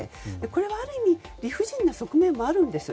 これはある意味理不尽な側面もあるんです。